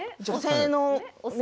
女性の。